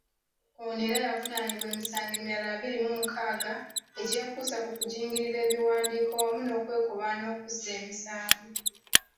Ono era yavunaanibwa emisango emirala abiri mu mukaaga egyekuusa ku kujingirira ebiwandiiko wamu n'okwekobaana okuzza emisango.